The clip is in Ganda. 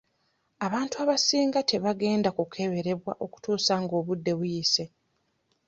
Abantu abasinga tebagenda kukeberebwa okutuusa nga obudde buyise.